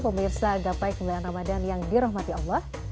pemirsa agapai kemuliaan ramadhan yang dirahmati allah